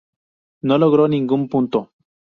No logró ningún punto.